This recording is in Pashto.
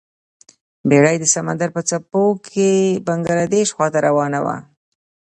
بیړۍ د سمندر په څپو کې بنګلادیش خواته روانه وه.